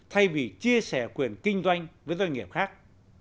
thay vì chia sẻ quyền kinh doanh với doanh nghiệp khác